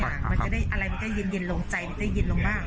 มันจะได้อะไรมันก็เย็นลงใจมันจะเย็นลงบ้าง